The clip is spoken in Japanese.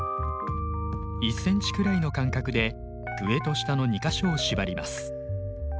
１ｃｍくらいの間隔で上と下の２か所を縛ります。